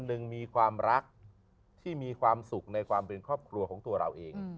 หนึ่งมีความรักที่มีความสุขในความเป็นครอบครัวของตัวเราเอง